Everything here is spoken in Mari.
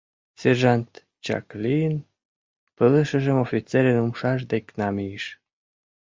Сержант, чак лийын, пылышыжым офицерын умшаж дек намийыш.